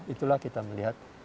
itulah kita melihat